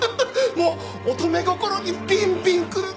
もう乙女心にビンビン来るの！